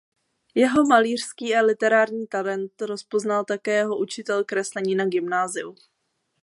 Jeho malířský a literární talent rozpoznal také jeho učitel kreslení na gymnáziu.